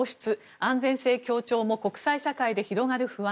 安全性強調も国際社会で広がる不安。